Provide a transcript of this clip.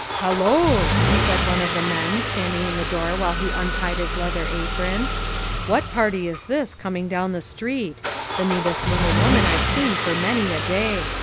" Halloo !" said one of the men, standing in the door while he untied his leather apron. " What party is this coming down the street ? The neatest little woman I've seen for many a day.